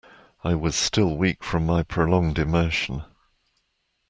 I was still weak from my prolonged immersion.